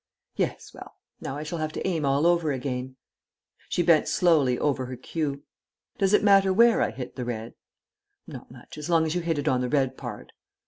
"Yes. Well, now I shall have to aim all over again." She bent slowly over her cue. "Does it matter where I hit the red?" "Not much. As long as you hit it on the red part."